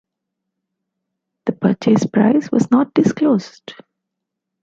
The purchase price was not disclosed.